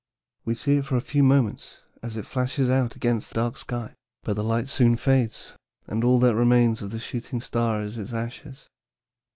We see it for a few moments as it flashes out against the dark sky; but the light soon fades and all that remains of the shooting star is its ashes.